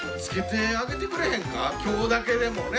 今日だけでもね。